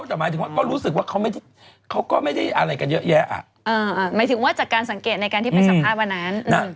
หมายถึงว่าจากการสังเกตในการที่ไปสัมภาษณ์วันนั้น